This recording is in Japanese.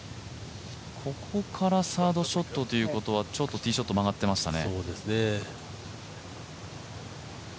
ここからサードショットということはちょっとティーショット曲がってましたね。